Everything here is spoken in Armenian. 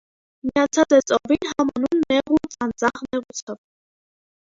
Միացած է ծովին համանուն նեղ ու ծանծաղ նեղուցով։